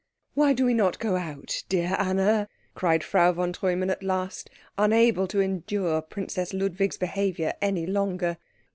"Why do we not go out, dear Anna?" cried Frau von Treumann at last, unable to endure Princess Ludwig's behaviour any longer.